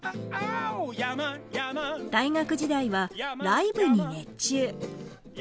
大学時代はライブに熱中。